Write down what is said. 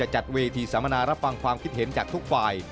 จัดเวทีสัมมนารับฟังความคิดเห็นจากทุกฝ่าย